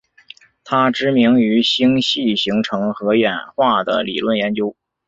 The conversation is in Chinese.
她知名于星系形成和演化的理论研究。